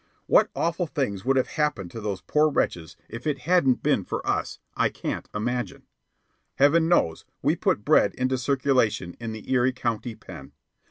What awful things would have happened to those poor wretches if it hadn't been for us, I can't imagine. Heaven knows we put bread into circulation in the Erie County Pen.